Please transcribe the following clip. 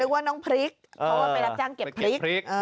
ว่าน้องพริกเพราะว่าไปรับจ้างเก็บพริก